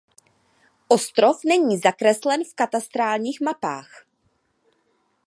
Ostrov není zakreslen v katastrálních mapách.